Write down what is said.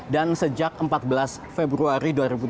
dan sejak empat belas februari dua ribu tujuh